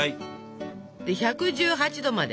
１１８℃まで。